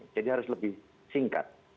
jadi harus lebih singkat